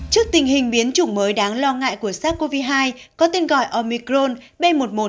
trước tình hình biến chủng mới đáng lo ngại của sars cov hai có tên gọi omicron b một một năm trăm hai mươi chín